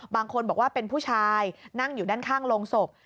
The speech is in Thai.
บางคนบอกว่าเป็นผู้ชายนั่งอยู่ด้านข้างโรงศพ